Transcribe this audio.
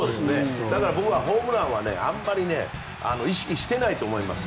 だから、僕はホームランはあまり意識してないと思います。